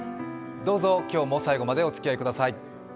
どうぞ今日も最後までおつきあいください。